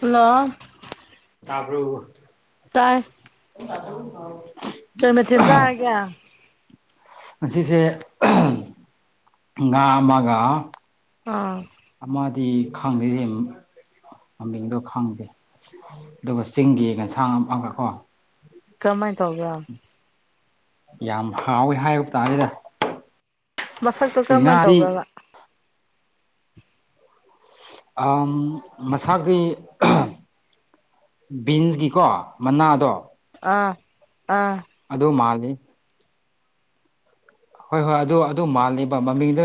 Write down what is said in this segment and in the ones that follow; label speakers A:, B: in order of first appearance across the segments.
A: Hello.
B: ꯇꯥꯕ꯭ꯔꯣ꯫
A: ꯇꯥꯏ꯫
B: [unintelligible]
A: ꯀꯩ ꯃꯊꯦꯜ ꯆꯥꯔꯒꯦ꯫
B: ꯉꯁꯤꯁꯦ [unintelligible] ꯉꯥ ꯑꯃꯒ
A: ꯑꯥ꯫
B: ꯑꯃꯗꯤ ꯈꯪꯗꯦꯔꯦ ꯃꯃꯤꯡꯗꯣ ꯈꯪꯗꯦ ꯫ ꯑꯗꯨꯒ ꯆꯤꯡꯒꯤ ꯌꯦꯟꯁꯥꯡ ꯑꯃꯒ ꯀꯣ
A: ꯀꯃꯥꯏ ꯇꯧꯖꯥꯅ
B: ꯌꯥꯝ ꯍꯥꯎꯋꯦ ꯍꯥꯏꯌꯨ ꯇꯥꯔꯦꯗ꯫
A: ꯃꯁꯛꯇꯣ ꯀꯔꯝꯍꯥꯏꯟ
B: ꯉꯥꯗꯤ
A: ꯇꯧꯖꯥꯠꯂ
B: ꯑꯍꯝ ꯃꯁꯥꯒꯤ ꯑꯍꯝ ꯕꯤꯟꯁꯒꯤꯀꯣ ꯃꯅꯥꯗꯣ
A: ꯑꯥ ꯑꯥ꯫
B: ꯑꯗꯨ ꯃꯥꯜꯂꯤ ꯍꯣꯏ ꯍꯣꯏ ꯑꯗꯨ ꯑꯗꯨ ꯃꯥꯜꯂꯦꯕ ꯃꯃꯤꯡꯗ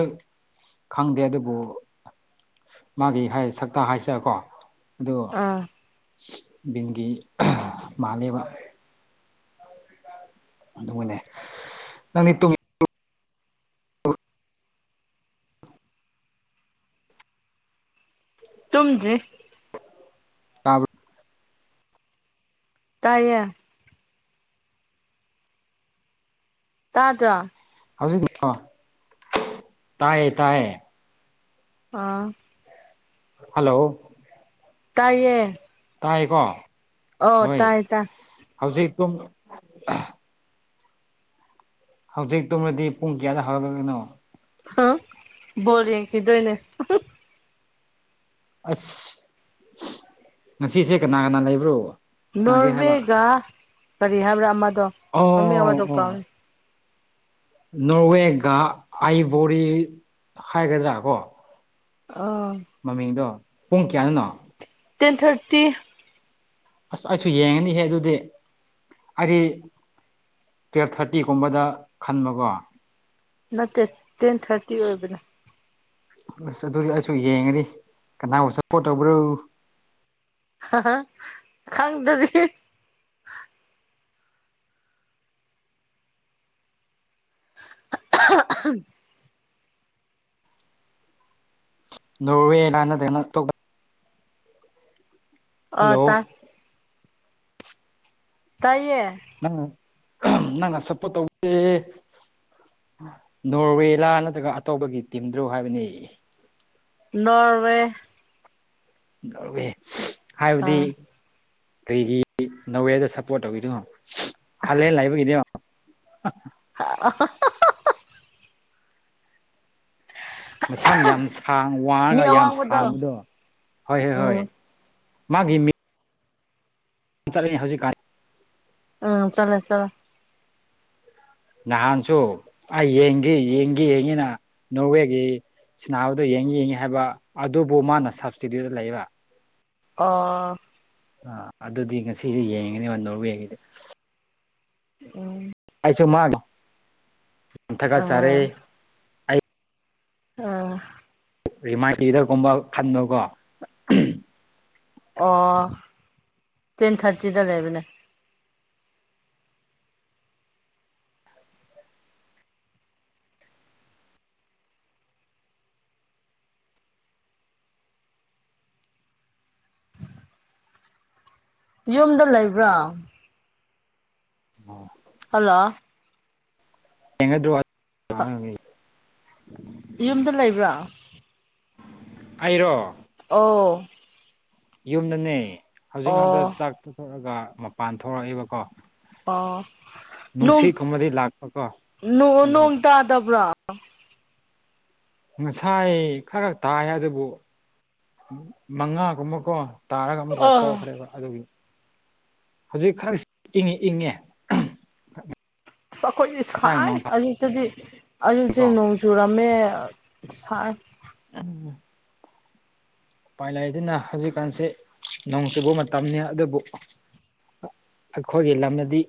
B: ꯈꯪꯗꯦ ꯑꯗꯨꯕꯨ ꯃꯥꯒꯤ ꯍꯥꯏ ꯁꯛꯇꯥ ꯍꯥꯏꯁꯦꯔꯀꯣ ꯑꯗꯣ
A: ꯑꯥ
B: ꯕꯤꯟꯒꯤ ꯑꯍ ꯃꯥꯜꯂꯦꯕ ꯑꯗꯨꯒꯅꯦ ꯅꯪꯗꯤ ꯇꯨꯡ
A: ꯇꯨꯝꯗꯔ꯭ꯤ
B: ꯇꯥꯕꯔ꯭
A: ꯇꯥꯏꯌꯦ ꯇꯥꯗꯔ꯭ꫭ
B: ꯍꯧꯖꯤꯛꯀꯤ ꯀꫭ ꯇꯥꯏꯌꯦ ꯇꯥꯏꯌꯦ
A: ꯑꯥ
B: ꯍꯜꯂꯣ
A: ꯇꯥꯏꯌꯦ
B: ꯇꯥꯏꯌꯦꯀꯣ
A: ꯑꯣ ꯇꯥꯏ ꯇꯥꯏ
B: ꯍꯧꯖꯤꯛ ꯇꯨꯝ ꯑꯍ ꯍꯧꯖꯤꯛ ꯇꯨꯝꯔꯗꯤ ꯄꯨꯡ ꯀꯌꯥꯗ [unintelligible]
A: ꯍꯑ ꯕꯣꯜ ꯌꯦꯡꯈꯤꯗꯣꯏꯅꯦ ꯑꯍ
B: ꯑꯁ ꯉꯁꯤꯁꯦ ꯀꯅꯥ ꯀꯅꯥ ꯂꯩꯕ꯭ꯔꯣ ꯁꯅꯥꯒꯦ ꯍꯥꯏꯕ
A: ꯅꯣꯔꯋꯦꯒ ꯀꯔꯤ ꯍꯥꯏꯕ꯭ꯔꯥ ꯑꯃꯗꯣ
B: ꯑꯣ
A: ꯃꯃꯤꯡ ꯑꯃꯗꯣ
B: ꯑꯣ
A: ꯀꯥꯎꯔꯦ
B: ꯅꯣꯔꯋꯦꯒ ꯑꯥꯏꯚꯣꯔꯤ ꯍꯥꯏꯒꯗ꯭ꯔꯥ ꯀꯣ
A: ꯑꯥ
B: ꯃꯃꯤꯡꯗꯣ ꯄꯨꯡ ꯀꯌꯥꯅꯣ
A: ꯇꯦꯟ ꯊꯥꯔꯇꯤ
B: ꯑꯁ ꯑꯩꯁꯨ ꯌꯦꯡꯉꯅꯤꯍꯦ ꯑꯗꯨꯗꯤ ꯑꯩꯗꯤ ꯇꯨꯌꯦꯜꯞ ꯊꯥꯔꯇꯤꯒꯨꯝꯕꯗ ꯈꯟꯕꯀꯣ
A: ꯅꯠꯇꯦ ꯇꯦꯟ ꯊꯥꯔꯇꯤ ꯑꯣꯏꯕꯅꯦ꯫
B: ꯑꯁ ꯑꯗꯨꯗꯤ ꯑꯩꯁꯨ ꯌꯦꯡꯉꯅꯤ ꯀꯅꯥꯕꯨ ꯁꯞꯄꯣꯔꯠ ꯇꯧꯕ꯭ꯔꯣ
A: ꯈꯪꯗꯔꯤ [unintelligible]
B: ꯅꯣꯔꯋꯥ [unintelligible]
A: ꯑ
B: ꯍꯜꯂꯣ
A: ꯇꯥꯏ ꯇꯥꯏꯌꯦ
B: ꯅꯪ ꯅꯪꯅ ꯁꯞꯄꯣꯔꯠ ꯇꯧꯕꯗꯤ ꯅꯣꯔꯋꯦꯂꯥ ꯅꯠꯇ꯭ꯔꯒ ꯑꯇꯣꯞꯄꯒꯤ ꯇꯤꯝꯗꯔꯣ ꯍꯥꯏꯕꯅꯦ
A: ꯅꯣꯔꯋꯦ
B: ꯅꯣꯔꯋꯦ ꯍꯥꯏꯕꯗꯤ
A: ꯑꯥ
B: ꯀꯔꯤꯒꯤ ꯅꯣꯔꯋꯦꯗ ꯁꯞꯄꯣꯔꯠ ꯇꯧꯔꯤꯅꯣ ꯍꯜꯂꯦꯗ ꯂꯩꯕꯒꯤꯔꯣ?
A: [inaudible]
B: ꯃꯁꯝ ꯌꯥꯝ ꯁꯥꯡ
A: ꯃꯤ
B: ꯋꯥꯡꯉꯒ ꯌꯥꯝ
A: ꯑꯋꯥꯡꯕꯗꯣ
B: ꯁꯥꯡꯕꯗꯣ ꯍꯣꯏ ꯍꯣꯏ ꯍꯣꯏ
A: ꯎꯝ
B: ꯃꯥꯒꯤ ꯃꯤ ꯆꯠꯂꯦ ꯍꯧꯖꯤꯛꯀꯟ
A: ꯎꯝ ꯆꯂꯦ ꯆꯂꯦ
B: ꯅꯍꯥꯟꯁꯨ ꯑꯩ ꯌꯦꯡꯒꯦ ꯌꯦꯡꯒꯦ ꯌꯦꯡꯉꯤꯅ ꯅꯣꯔꯋꯦꯒꯤ ꯁꯥꯅꯕꯗꯨ ꯌꯦꯡꯉꯤ ꯌꯦꯡꯉꯤ ꯍꯥꯏꯕ ꯑꯗꯨꯕꯨ ꯃꯥꯅ ꯁꯕꯁꯇꯤꯇꯨꯗ ꯇ ꯂꯩꯕ
A: ꯑ
B: ꯑ ꯑꯗꯨꯗꯤ ꯉꯁꯤꯗꯤ ꯌꯦꯡꯉꯅꯤꯕ ꯅꯣꯔꯋꯦ ꯒꯤꯗꯤ
A: ꯎ
B: ꯑꯩꯁꯨ ꯃꯥ
A: ꯑ
B: [inaudible] ꯆꯥꯔꯦ
A: ꯑ
B: [unintelligible] ꯇ ꯗꯒꯨꯝꯕ ꯈꯟꯕꯀꯣ
A: ꯑꯣ ꯇꯦꯟ ꯊꯥꯔꯇꯤꯗ ꯂꯩꯕꯅꯦ ꯌꯨꯝꯗ ꯂꯩꯕ꯭ꯔꯣ
B: [inaudible]
A: ꯍꯜꯂꯣ
B: [unintelligible]
A: [inaudible] ꯌꯨꯝꯗ ꯂꯩꯕ꯭ꯔꯣ?
B: ꯑꯩꯔꯣ
A: ꯑꯣ
B: ꯌꯨꯝꯗꯅꯦ ꯍꯧꯖꯤꯛ ꯉꯛꯇ
A: ꯑꯣ
B: ꯆꯥꯛ ꯇ‌ꯣꯛꯑꯒ ꯃꯄꯥꯟ ꯊꯣꯔꯛꯏꯕꯀꯣ
A: ꯑꯣ
B: ꯂꯥꯛꯄꯀꯣ
A: ꯅꯣꯡ ꯅ‌ꯣꯡ
B: ꯑꯗꯨꯒ
A: ꯇꯥꯗꯕ꯭ꯔ‌ꯣ
B: ꯉꯁꯥꯏ ꯈꯔ ꯇꯥꯏ ꯑꯗꯨꯕꯨ ꯃꯉꯥꯒꯨꯝꯕꯀꯣ ꯇꯥꯔꯒ ꯑꯃꯨꯛ ꯑꯃꯨꯛꯀ
A: ꯑꯥ
B: ꯇ‌ꯣꯛꯈ꯭ꯔꯦꯕ ꯑꯗꯨꯒꯤ ꯍꯨꯖꯤꯛ ꯈꯔꯁ ꯏꯪꯉꯤ ꯏꯪꯉꯦ
A: ꯑꯁ ꯑꯈꯣꯏꯗꯤ
B: ꯉꯁꯥꯏ
A: ꯁꯥꯏ
B: ꯅꯣꯡ
A: ꯑꯌꯨꯛꯇꯗꯤ ꯑꯌꯨꯛꯇꯤ
B: ꯇꯥꯕꯒꯤꯀꯣ
A: ꯅ‌ꯣꯡ ꯆꯨꯔꯝꯃꯦ ꯁꯥꯏ
B: [unintelligible] ꯄꯥꯏꯂꯩꯗꯤꯅ ꯍꯧꯖꯤꯛꯀꯥꯟꯁꯦ ꯅꯣꯡ ꯆꯨꯕ ꯃꯇꯝꯅꯤ ꯑꯗꯨꯕꯨ ꯑꯩꯈꯣꯏꯒꯤ ꯂꯝꯗꯗꯤ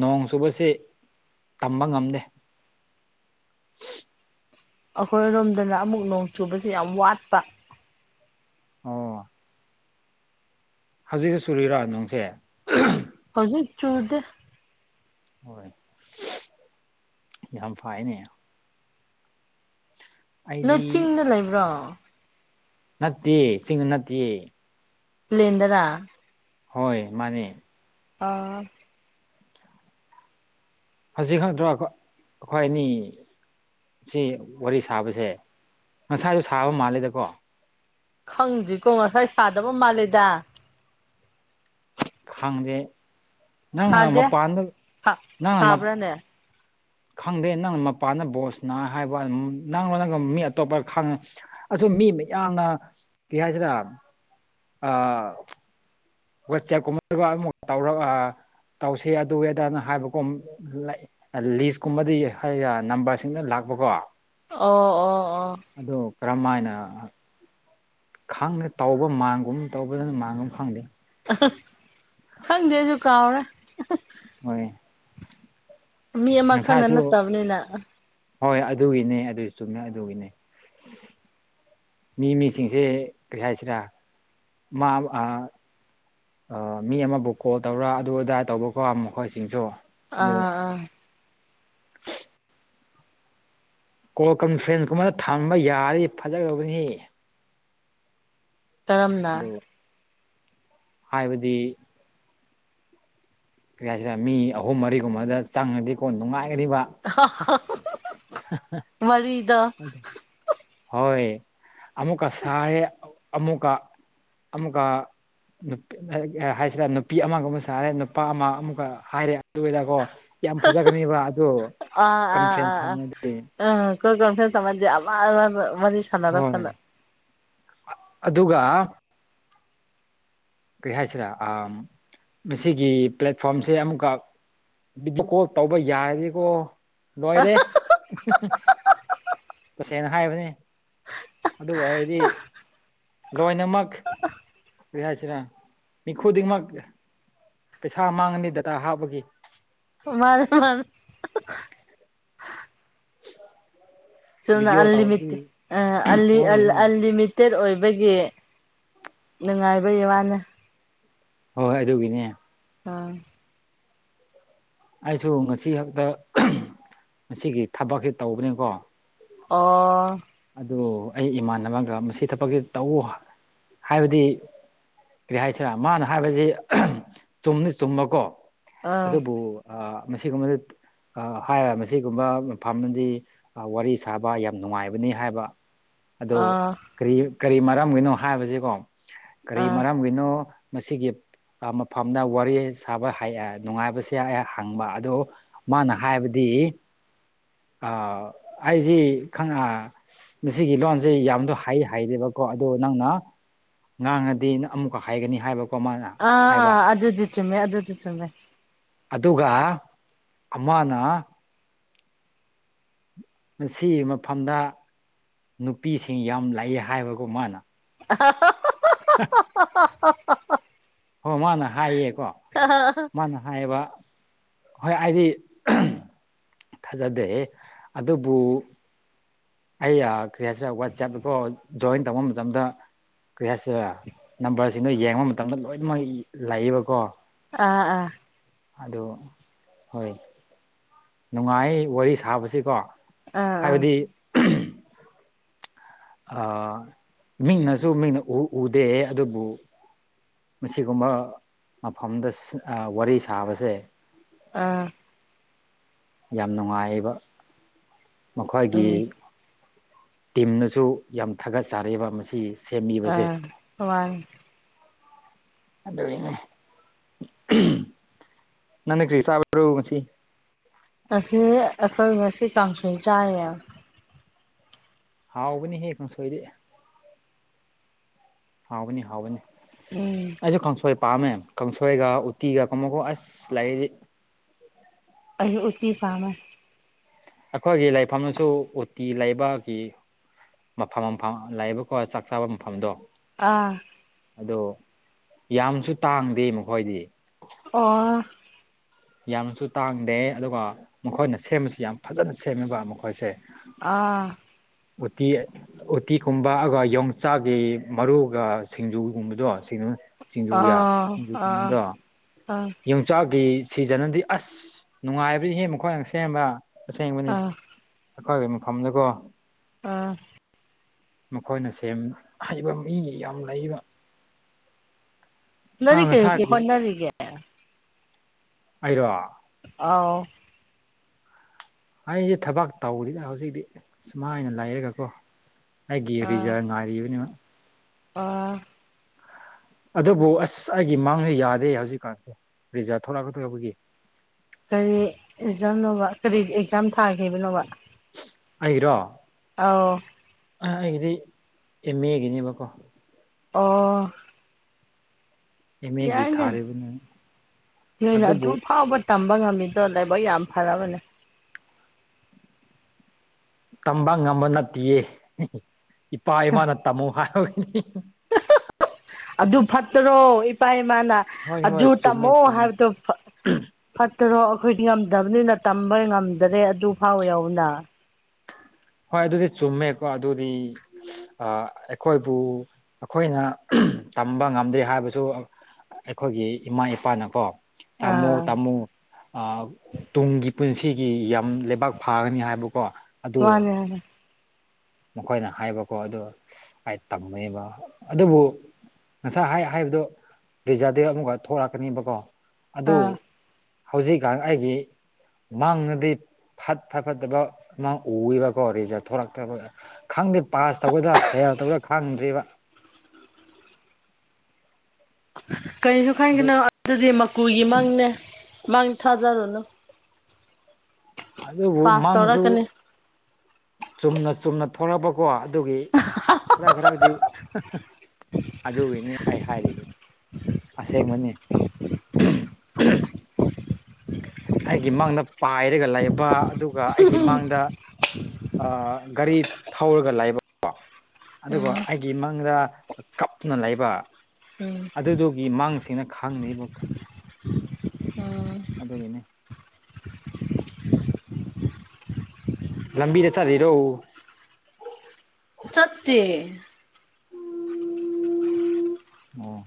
B: ꯅꯣꯡ ꯆꯨꯕꯁꯦ ꯇꯝꯕ ꯉꯝꯗꯦ
A: ꯑꯈꯣꯏꯔꯣꯝꯗꯅ ꯑꯃꯨꯛ ꯅꯣꯡ ꯆꯨꯕꯁꯤ ꯌꯥꯝ ꯋꯥꯠꯄ
B: ꯑꯣ ꯍꯧꯖꯤꯛꯁꯨ ꯁꯨꯔꯤꯔ ꯅꯣꯡꯁꯦ
A: ꯍꯧꯖꯤꯛ ꯆꯨꯗ‌ꯦ
B: ꯍꯣꯏ ꯌꯥꯝ ꯐꯥꯏꯅꯦ
A: ꯅ‌ꯣ
B: ꯑꯩꯗꯤ
A: ꯆꯤꯡꯗ ꯂꯩꯕ꯭ꯔꯣ
B: ꯅꯠꯇꯦ ꯆꯤꯡ ꯅꯠꯇ꯭ꯌꯦ
A: ꯂꯦꯟꯗꯔ
B: ꯍꯣꯏ ꯃꯥꯅꯦ
A: ꯑꯥ
B: ꯍꯖꯤꯛ ꯈꯪꯗ꯭ꯔꯣ ꯑꯈꯣꯏ ꯑꯅꯤ ꯁꯤ ꯋꯥꯔꯤ ꯁꯥꯕꯁꯦ ꯉꯁꯥꯏꯁꯨ ꯁꯥꯕ ꯃꯥꯜꯂꯦꯗꯀꯣ
A: ꯈꯪꯗ꯭ꯔꯤꯀꯣ ꯉꯁꯥꯏ ꯁꯥꯗꯕ ꯃꯥꯜꯂꯦꯗ
B: ꯈꯪꯗꯦ ꯅꯪ
A: ꯁꯥꯗꯦ
B: ꯃꯄꯥꯟꯗ ꯅꯪ ꯃ
A: ꯁꯥꯕ꯭ꯔꯥꯅꯦ
B: ꯈꯪꯗꯦ ꯅꯪ ꯃꯄꯥꯟꯗ ꯕꯣꯜ ꯁꯅꯩ ꯍꯥꯏꯕ ꯅꯪꯉꯣꯟꯗꯒ ꯃꯤ ꯑꯇꯣꯞꯄ ꯈꯪ ꯑꯁꯣ ꯃꯤ ꯃꯌꯥꯝꯅ ꯀꯩ ꯍꯥꯏꯁꯤꯔ ꯑ ꯋꯥꯆꯦꯞꯀꯨꯝꯕꯒ ꯑꯃꯨꯛ ꯇꯧꯔꯒ ꯇꯧꯁꯤ ꯑꯗꯨ ꯑꯗꯥ ꯍꯥꯏꯕꯀ‌ꯣ ꯑ ꯂꯤꯁꯀꯨꯝꯕꯗꯤ ꯅꯝꯕꯔꯁꯤꯡꯅ ꯂꯥꯛꯄꯀꯣ
A: ꯑꯣ ꯑꯣ ꯑꯣ
B: ꯑꯗꯨ ꯀꯔꯝ ꯃꯥꯏꯅ ꯈꯪꯉꯦ ꯇꯧꯕ ꯃꯥꯡꯒꯨꯝ ꯇꯧꯕꯗꯨꯅ ꯃꯥꯡꯒꯨꯝ ꯈꯪꯗꯦ
A: ꯈꯪꯗꯦ ꯑꯩꯖꯨ ꯀꯥꯎꯔꯦ
B: ꯍꯣꯏ
A: ꯃꯤ ꯑꯃ ꯈꯛꯅ
B: ꯉꯁꯥꯏꯁꯨ
A: ꯅꯠꯇꯕꯅꯤꯅ
B: ꯍꯣꯏ ꯑꯗꯨꯒꯤꯅꯦ ꯑꯗꯨ ꯆꯨꯝꯃ‌ꯦ ꯑꯗꯨꯒꯤꯅꯦ ꯃꯤ ꯃꯤꯁꯤꯡꯁꯦ ꯀ꯭ꯔꯤ ꯍꯥꯏꯁꯤꯔꯥ ꯃꯥ ꯑꯥ ꯑ ꯃꯤ ꯑꯃꯕꯨ ꯀꯣꯜ ꯇꯧꯔ ꯑꯗꯨ ꯑꯗꯥ ꯇꯧꯕꯀꯣ ꯃꯈꯣꯏꯁꯤꯡꯁꯨ ꯑꯗꯨ
A: ꯑꯥ ꯑꯥ
B: ꯀꯣꯜ ꯀꯝꯐ꯭ꯔꯦꯟꯁ ꯀꯨꯝꯕ ꯊꯝꯕ ꯌꯥꯔꯗꯤ ꯐꯖꯒꯗꯧꯕꯅꯤꯍꯦ
A: ꯀꯔꯝꯅ
B: ꯑꯗꯨ ꯍꯥꯏꯕꯗꯤ ꯀꯔꯤ ꯍꯥꯏꯁꯤꯔ ꯃꯤ ꯑꯍꯨꯝ ꯃꯔꯤꯒꯨꯝꯕꯗ ꯆꯪꯉꯗꯤꯀꯣ ꯅꯨꯡꯉꯥꯏꯒꯅꯤꯕ
A: [unintelligible] ꯋꯥꯔꯤꯗꯣ
B: ꯍꯣꯏ ꯑꯃꯨꯛꯀ ꯁꯥꯔꯦ ꯑꯃꯨꯀ ꯑꯃꯨꯀ ꯅꯨꯄꯤ ꯍꯥꯏꯁꯤꯔ ꯅꯨꯄꯤ ꯑꯃꯒ ꯑꯃꯨꯛ ꯁꯥꯔꯦ ꯅꯨꯄꯥ ꯑꯃ ꯑꯃꯨꯛꯀ ꯍꯥꯏꯔꯦ ꯑꯗꯨꯗꯀꯣ ꯌꯥꯝ ꯐꯖꯒꯅꯦꯕ ꯑꯗꯣ
A: ꯑꯥ ꯑꯥ
B: ꯀꯟꯐꯔꯦꯟꯁ ꯊꯝꯃꯗꯤ
A: [unintelligible]
B: ꯍꯣꯏ ꯑꯗꯨꯒ ꯀꯔꯤ ꯍꯥꯏꯁꯤꯔꯥ ꯑꯥꯝ ꯃꯁꯤꯒꯤ ꯄ꯭ꯂꯦꯠ ꯐꯣꯝꯁꯦ ꯑꯃꯨꯛꯀ ꯕꯤꯗꯤꯀꯣꯜ ꯇꯧꯕ ꯌꯥꯔꯗꯤꯀꯣ ꯂꯣꯏꯔꯦ ꯇꯁꯦꯡꯅ ꯍꯥꯏꯕꯅꯤ ꯑꯗꯨꯕꯨ ꯑꯣꯏꯗꯤ ꯂꯣꯏꯅꯃꯛ ꯀꯔꯤ ꯍꯥꯏꯁꯤꯔꯥ ꯃꯤ ꯈꯨꯗꯤꯡꯃꯛ ꯄꯩꯁꯥ ꯃꯥꯡꯉꯅꯤ ꯗꯇꯥ ꯍꯥꯞꯄꯒꯤ
A: ꯍꯣ ꯃꯥꯅꯦ ꯃꯥꯅꯦ ꯆꯨꯝꯅ
B: ꯚꯤꯗꯤꯑꯣ ꯇꯧꯔꯗꯤ
A: ꯑꯜꯂꯤꯃꯤꯠꯇ ꯑ ꯑꯜꯂꯤ
B: ꯍꯣꯏ
A: ꯑꯜ
B: ꯍꯣꯏ
A: ꯑꯜꯂꯤꯃꯤꯠ ꯇꯦꯠ ꯑꯣꯏꯕꯒꯤ ꯅꯨꯡꯉꯥꯏꯕꯩ ꯋꯥꯅꯤ
B: ꯍꯣꯏ ꯑꯗꯨꯒꯤꯅꯦ
A: ꯑꯥ
B: ꯑꯩꯁꯨ ꯉꯁꯤ ꯈꯛꯇ ꯉꯁꯤꯒꯤ ꯊꯕꯛꯁꯤ ꯇꯧꯕꯅꯤꯀꯣ
A: ꯑꯣ ꯑꯣ
B: ꯑꯗꯨ ꯑꯩ ꯏꯃꯥꯟꯅꯕꯒ ꯃꯁꯤ ꯊꯕꯛꯁꯤ ꯇꯧꯎ ꯍꯥꯏꯕꯗꯤ ꯀꯔꯤ ꯍꯥꯏꯁꯤꯔ ꯃꯥꯅ ꯍꯥꯏꯕꯁꯤ ꯆꯨꯝꯗꯤ ꯆꯨꯝꯃꯀꯣ
A: ꯑꯥ
B: ꯑꯗꯨꯕꯨ ꯑꯥ ꯃꯁꯤꯒꯨꯝꯕꯗ ꯑꯥ ꯍꯥꯏꯔ ꯃꯁꯤꯒꯨꯝꯕ ꯃꯐꯥꯝꯗꯗꯤ ꯋꯥꯔꯤ ꯁꯥꯕ ꯌꯥꯝ ꯅꯨꯡꯉꯥꯏꯕ ꯕꯅꯤ ꯍꯥꯏꯕ ꯑꯗꯨ
A: ꯑꯥ
B: ꯀꯔꯤ ꯀꯔꯤ ꯃꯔꯝꯒꯤꯅꯣ ꯍꯥꯏꯕꯁꯤꯀꯣ ꯀꯔꯤ
A: ꯑꯥ
B: ꯃꯔꯝꯒꯤꯅꯣ ꯃꯁꯤꯒꯤ ꯑꯥ ꯃꯐꯝꯗ ꯋꯥꯔꯤ ꯁꯥꯕ ꯍꯩ ꯑꯥ ꯅꯨꯡꯉꯥꯏꯕꯁꯦ ꯑꯩ ꯍꯪꯕ ꯑꯗꯨ ꯃꯥꯟꯅ ꯍꯥꯏꯕꯗꯤ ꯑ ꯑꯩꯁꯤ ꯈꯪꯉꯥ ꯃꯁꯤꯒꯤ ꯂꯣꯟꯁꯦ ꯌꯥꯝꯗꯣ ꯍꯥꯏ ꯍꯥꯏꯔꯦꯕꯀꯣ ꯑꯗꯣ ꯅꯪꯅ ꯉꯥꯡꯉꯗꯤꯅ ꯑꯃꯨꯛꯀ ꯍꯥꯏꯒꯅꯤ ꯍꯥꯏꯕ ꯃꯥꯅ
A: ꯑꯥ ꯑꯥ ꯑꯗꯨꯗꯤ ꯆꯨꯝꯃꯦ ꯑꯗꯨꯗꯤ ꯆꯨꯝꯃꯦ
B: ꯑꯗꯨꯒ ꯑꯃꯅ ꯃꯁꯤꯒꯤ ꯃꯐꯝꯗ ꯅꯨꯄꯤꯁꯤꯡ ꯌꯥꯝ ꯂꯥꯛꯏ ꯍꯥꯏꯕꯒꯣ ꯃꯥꯅ
A: ꯑ [unintelligible]
B: [unintelligible]
A: [unintelligible]
B: ꯍꯣ ꯃꯥꯅ ꯍꯥꯏꯌꯦꯀꯣ
A: ꯑꯥ
B: ꯃꯥꯅ ꯍꯥꯏꯌꯦꯕ ꯍꯣꯏ ꯑꯩꯗꯤ ꯊꯥꯖꯗꯦ ꯑꯗꯨꯕꯨ ꯑꯩ ꯑꯥ ꯀꯔꯤ ꯍꯥꯏꯁꯤꯔ ꯋꯥꯆꯞꯇꯀꯣ ꯖꯣꯏꯟ ꯇꯧꯕ ꯃꯇꯝꯗ ꯀꯔꯤ ꯍꯥꯏꯁꯦꯔ ꯅꯝꯕꯔꯁꯤꯡꯗꯣ ꯌꯦꯡꯕ ꯃꯇꯝꯗ ꯂꯣꯏꯅꯃꯛ ꯂꯩꯌꯦꯕꯀꯣ
A: ꯑꯥ ꯑꯥ
B: ꯑꯗꯨ ꯍꯣꯏ ꯅꯨꯡꯉꯥꯏ ꯋꯥꯔꯤ ꯁꯥꯕꯁꯤꯀꯣ
A: ꯑꯥ ꯑꯥ
B: ꯍꯥꯏꯕꯗꯤ ꯑ ꯃꯤꯡꯅꯁꯨ ꯃꯤꯡꯅ ꯎꯨ ꯎꯗꯦ ꯑꯗꯨꯕꯨ ꯃꯁꯤꯒꯨꯝꯕ ꯃꯐꯝꯗ ꯁꯥ ꯑꯥ ꯋꯥꯔꯤ ꯁꯥꯕꯁꯦ
A: ꯑꯥ
B: ꯌꯥꯝ ꯅꯨꯡꯉꯥꯏꯌꯦꯕ ꯃꯈꯣꯏꯒꯤ
A: ꯎꯝ
B: ꯇꯤꯝꯅꯁꯨ ꯌꯥꯝ ꯊꯥꯒꯠꯆꯔꯦꯕ ꯃꯁꯤ ꯁꯦꯝꯕꯤꯕꯁꯦ
A: ꯑꯥ ꯃꯃꯥꯡ
B: ꯑꯗꯨꯒꯤꯅꯤ ꯅꯪꯅ ꯀ꯭ꯔꯤ ꯆꯥꯕ꯭ꯔꯣ ꯉꯁꯤ
A: ꯉꯁꯤ ꯑꯩꯈꯣꯏ ꯉꯁꯤ ꯀꯥꯡꯁꯣꯏ ꯆꯥꯏꯌꯦ
B: ꯍꯥꯎꯕꯅꯤ ꯍꯦ ꯀꯥꯡꯁꯣꯏꯗꯤ ꯍꯥꯎꯕꯅꯤ ꯍꯥꯎꯕꯅꯤ
A: ꯎꯝ
B: ꯑꯩꯁꯨ ꯀꯥꯡꯁꯣꯏ ꯄꯥꯝꯃꯦ ꯀꯪꯁꯣꯏꯒ ꯎꯇꯤꯒ ꯀꯃꯀꯣ ꯑꯁ ꯂꯥꯏꯔꯤꯛ
A: ꯑꯩꯖꯨ ꯎꯇꯤ ꯄꯥꯝꯃꯦ
B: ꯑꯩꯈꯣꯏꯒꯤ ꯂꯩꯐꯝꯗꯁꯨ ꯎꯇꯤ ꯂꯩꯕꯒꯤ ꯃꯐꯝ ꯃꯐꯝ ꯂꯩꯕꯀꯣ ꯆꯥꯛ ꯆꯥꯕ ꯃꯐꯝꯗꯣ
A: ꯑꯥ
B: ꯑꯗꯣ ꯌꯥꯝꯁꯨ ꯇꯥꯡꯗꯦ ꯃꯈꯣꯏꯗꯤ
A: ꯑꯣ
B: ꯌꯥꯝꯅꯁꯨ ꯇꯥꯡꯗꯦ ꯑꯗꯨꯒ ꯃꯈꯣꯏꯅ ꯁꯦꯝꯕꯁꯤ ꯌꯥꯝ ꯐꯖꯅ ꯁꯦꯝꯃꯤꯕ ꯃꯈꯣꯏꯁꯦ
A: ꯑꯥ
B: ꯎꯠꯇꯤ ꯎꯇꯤꯒꯨꯝꯕ ꯑꯗꯨꯒ ꯌꯣꯡꯆꯥꯛꯒꯤ ꯃꯔꯨꯒ ꯁꯤꯡꯖꯨꯒꯨꯝꯕꯗꯣ ꯁꯤꯅ ꯆꯁꯤꯡꯖꯨ
A: ꯑꯥ
B: ꯌꯥ
A: ꯑꯥ
B: ꯁꯤꯡꯖꯨꯒꯨꯝꯕꯗꯣ
A: ꯑꯥ
B: ꯌꯣꯡꯆꯥꯛꯀꯤ ꯁꯤꯖꯟꯗꯤ ꯑꯁ ꯅꯨꯡꯉꯥꯏꯕꯗꯤ ꯍꯦ ꯃꯈꯣꯏꯅ ꯁꯦꯝꯕ ꯑꯁꯦꯡꯕꯅꯤ
A: ꯑꯥ
B: ꯑꯩꯈꯣꯏꯒꯤ ꯃꯐꯝꯗꯀꯣ
A: ꯑ
B: ꯃꯈꯣꯏꯅ ꯁꯦꯝ ꯑꯍꯩꯕ ꯃꯤ ꯌꯥꯝ ꯂꯩꯕ
A: ꯅꯪꯗꯤ
B: ꯑꯥ
A: ꯀꯩ ꯀꯩ
B: ꯉꯁꯥꯏꯒꯤ
A: ꯍꯣꯠꯅꯔꯤꯒꯦ
B: ꯑꯩꯔꯣ
A: ꯑꯥꯎ
B: ꯑꯩꯖꯦ ꯊꯕꯛ ꯇꯧꯗꯤꯗ ꯍꯧꯖꯤꯛꯇꯤ ꯁꯨꯃꯥꯏꯅ ꯂꯩꯔꯒꯀꯣ ꯑꯩꯒꯤ ꯔꯤꯖꯥ ꯉꯥꯏꯔꯤꯕꯅꯤꯅ
A: ꯑ
B: ꯑꯗꯨꯕꯨ ꯑꯁ ꯑꯩꯒꯤ ꯃꯥꯡꯗ ꯌꯥꯗꯦ ꯍꯧꯖꯤꯛꯀꯥꯟꯁꯦ ꯔꯤꯖꯥꯠ ꯊꯣꯛꯂꯛꯀꯗꯧꯕꯒꯤ
A: ꯀꯔꯤ ꯔꯤꯖꯜꯅꯣꯕ ꯀꯔꯤ ꯑꯦꯛꯖꯥꯝ ꯊꯥꯈꯤꯕꯅꯣꯕ
B: ꯑꯩꯒꯤꯔꯣ
A: ꯑꯧ
B: ꯑꯩꯒꯤꯗꯤ ꯑꯦꯝ ꯑꯦꯒꯤꯅꯦꯕꯀꯣ
A: ꯑꯣ
B: ꯑꯦꯝ ꯑꯦꯒꯤ
A: ꯌꯥꯏꯅꯦ
B: ꯊꯥꯔꯤꯕꯅꯤ
A: ꯅꯣꯏꯅ
B: ꯑꯗꯨꯕꯨ
A: ꯑꯗꯨꯨ ꯐꯥꯎꯕ ꯇꯝꯕ ꯉꯝꯃꯤꯗꯣ ꯂꯥꯏꯕꯛ ꯌꯥꯝ ꯐꯔꯕꯅꯦ
B: ꯇꯝꯕ ꯉꯝꯕ ꯅꯠꯇꯤꯌꯦ ꯏꯄꯥ ꯏꯃꯥꯅ ꯇꯝꯃꯨ ꯍꯥꯏꯕꯒꯤꯅꯤ
A: ꯑꯗꯨ ꯐꯠꯇ꯭ꯔꯣ ꯏꯄꯥ ꯏꯃꯥꯅ
B: ꯍꯣꯏ
A: ꯑꯗꯨ
B: ꯍꯣꯏ ꯆꯨꯝꯃꯦ
A: ꯇꯃꯣ
B: ꯆꯨꯝꯃꯦ
A: ꯍꯥꯏꯕꯗꯨ ꯐꯠꯇꯔꯣ ꯑꯩꯈꯣꯏꯗꯤ ꯉꯝꯗꯕꯅꯤꯅ ꯇꯝꯕ ꯉꯝꯗꯔꯦ ꯑꯗꯨ ꯐꯥꯎ ꯌꯥꯎꯕꯅ
B: ꯍꯣꯏ ꯑꯗꯨꯗꯤ ꯆꯨꯝꯃꯦꯀꯣ ꯑꯗꯨꯗꯤ ꯑꯩꯈꯣꯏꯕꯨ ꯑꯩꯈꯣꯏꯅ ꯇꯝꯕ ꯉꯝꯗꯦ ꯍꯥꯏꯕꯁꯨ ꯑꯩꯈꯣꯏꯒꯤ ꯏꯃꯥ ꯏꯄꯥꯅꯀꯣ ꯇꯥꯝꯃꯣ
A: ꯑꯥ
B: ꯇꯥꯝꯃꯣ ꯇꯨꯡꯒꯤ ꯄꯨꯟꯁꯤꯒꯤ ꯌꯥꯝ ꯂꯩꯕꯥꯛ ꯐꯥꯒꯅꯤ ꯍꯥꯏꯕꯀꯣ ꯑꯗꯨ
A: ꯃꯥꯟꯅꯦ ꯃꯥꯅꯦ
B: ꯃꯈꯣꯏꯅ ꯍꯥꯏꯕꯀꯣ ꯑꯗꯣ ꯑꯩ ꯇꯝꯃꯦꯕ ꯑꯗꯨꯕꯨ ꯉꯁꯥꯏ ꯍꯥꯏ ꯍꯥꯏꯕꯗꯣ ꯔꯤꯖꯥꯔꯗꯤ ꯑꯃꯨꯛꯀ ꯊꯣꯛꯂꯛꯀꯅꯤꯕꯀꯣ ꯑꯗꯨ
A: ꯑꯥ
B: ꯍꯧꯖꯤꯛꯀꯥꯟ ꯑꯩꯒꯤ ꯃꯥꯡꯉꯗꯤ ꯐꯠ ꯐꯠ ꯐꯠꯇꯕ ꯃꯥꯡ ꯎꯏꯕꯀꯣ ꯔꯤꯖꯥꯔ ꯊꯂꯛꯇꯕ ꯈꯪꯗꯦ ꯄꯥꯁ ꯇꯧꯒꯗ꯭ꯔꯥ ꯐꯦꯜ ꯇꯧꯗ꯭ꯔꯥ ꯈꯪꯗ꯭ꯔꯤꯕ
A: ꯀꯔꯤꯁꯨ
B: ꯑꯗꯨ
A: ꯈꯟꯒꯅꯣ ꯑꯗꯨꯗꯤ ꯃꯀꯨꯒꯤ ꯃꯪꯅꯦ ꯃꯪ ꯊꯥꯖꯔꯨꯅꯨ ꯄꯥꯁ
B: ꯑꯗꯨꯕꯨꯃꯪꯁꯨ
A: ꯇꯧꯔꯛꯀꯅꯤ
B: ꯆꯨꯝꯅ ꯆꯨꯝꯅ ꯊꯣꯂꯛꯄꯀꯣ ꯑꯗꯨꯒꯤ ꯈꯔ ꯈꯔꯛꯗꯤ ꯑꯗꯨꯒꯤꯅꯤ ꯑꯩ ꯍꯥꯏꯔꯤ ꯑꯁꯦꯡꯕꯅꯤ ꯑꯩꯒꯤ ꯃꯥꯡꯗ ꯄꯥꯏꯔꯒ ꯂꯩꯕ ꯑꯗꯨꯒ ꯑꯩꯒꯤ ꯃꯥꯡꯗ ꯑꯥ ꯒꯥꯔꯤ ꯊꯧꯔꯒ ꯂꯩꯕꯀꯣ ꯑꯗꯨꯒ
A: ꯎꯝ
B: ꯑꯩꯒꯤ ꯃꯪꯗ ꯀꯞꯅ ꯂꯩꯕ
A: ꯎꯝ
B: ꯑꯗꯨꯗꯨꯒꯤ ꯃꯪꯁꯤꯅ ꯈꯥꯡꯅꯦꯕꯀꯣ
A: ꯎꯝ
B: ꯑꯗꯨꯒꯤꯅꯦ ꯂꯝꯕꯤꯗ ꯆꯠꯂꯤꯔꯣ
A: ꯆꯠꯇꯦ
B: ꯑꯣ